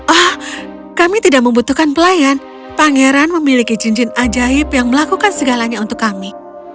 ah kami tidak membutuhkan pelayan pangeran memiliki cincin ajaib yang melakukan segalanya untuk kami